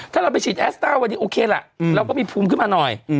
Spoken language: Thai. ถ้าเราไปฉีดแอสต้าวันนี้โอเคล่ะเราก็มีภูมิขึ้นมาหน่อย